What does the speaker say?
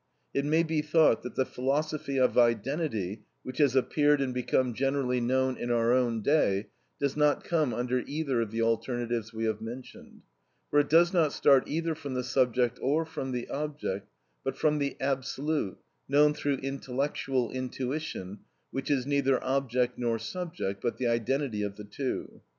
It may be thought that the philosophy of identity, which has appeared and become generally known in our own day, does not come under either of the alternatives we have named, for it does not start either from the subject or from the object, but from the absolute, known through "intellectual intuition," which is neither object nor subject, but the identity of the two.